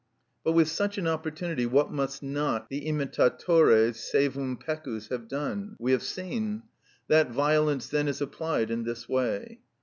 But with such an opportunity what must not the imitatores servum pecus have done! We have seen. That violence then is applied in this way.